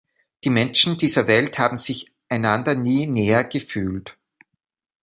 Die Menschen dieser Welt haben sich einander nie näher gefühlt.